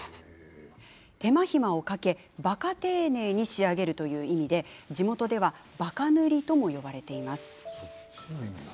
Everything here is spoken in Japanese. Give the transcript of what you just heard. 手間暇をかけバカ丁寧に仕上げるという意味で地元ではバカ塗りとも呼ばれています。